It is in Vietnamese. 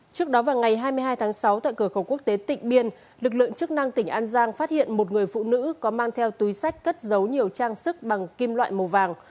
trước đó vào ngày hai mươi hai tháng sáu tại cửa khẩu quốc tế tịnh biên lực lượng chức năng tỉnh an giang phát hiện một người phụ nữ có mang theo túi sách cất giấu nhiều trang sức bằng kim loại màu vàng